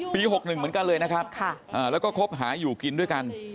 ๖๑เหมือนกันเลยนะครับแล้วก็คบหาอยู่กินด้วยกัน